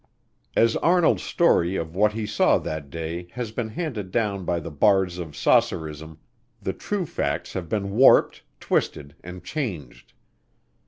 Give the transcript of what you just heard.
As Arnold's story of what he saw that day has been handed down by the bards of saucerism, the true facts have been warped, twisted, and changed.